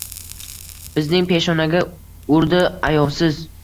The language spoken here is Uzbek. Bizning peshonaga urdi ayovsiz.